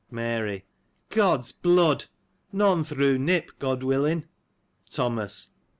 Mary. — God's blood ! none through Nip — God willing ! Thomas.